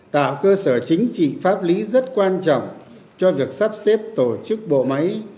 tạo cơ sở chính trị pháp lý rất quan trọng cho việc sắp xếp tổ chức bộ máy